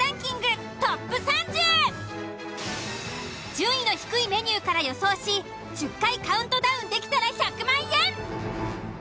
順位の低いメニューから予想し１０回カウントダウンできたら１００万円！